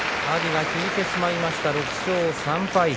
阿炎が引いてしまいました６勝３敗。